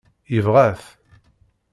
Yebɣa-t.